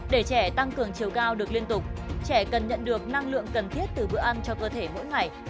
để trẻ tăng cường chiều cao được liên tục trẻ cần nhận được năng lượng cần thiết từ bữa ăn cho cơ thể mỗi ngày